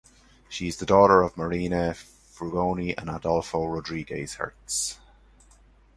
She is the daughter of Mariana Frugoni and Adolfo Rodriguez Hertz.